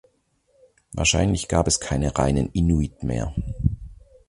Wahrscheinlich gab es keine reinen Inuit mehr.